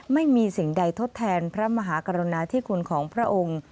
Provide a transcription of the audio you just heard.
ไม่มีสิ่งใดทดแทนพระมหากรุณาธิคุณของพระองค์